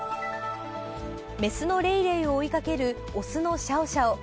雌のレイレイを追いかける雄のシャオシャオ。